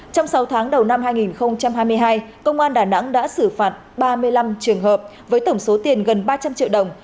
trong sáu tháng đầu năm hai nghìn hai mươi hai công an đà nẵng đã xử phạt ba mươi năm trường hợp với tổng số tiền gần ba trăm linh triệu đồng